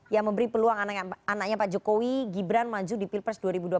yang memberi peluang anaknya pak jokowi gibran maju di pilpres dua ribu dua puluh